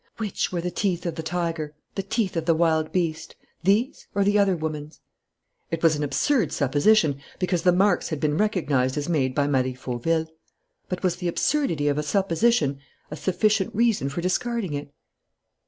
Which were the teeth of the tiger, the teeth of the wild beast: these, or the other woman's? It was an absurd supposition, because the marks had been recognized as made by Marie Fauville. But was the absurdity of a supposition a sufficient reason for discarding it?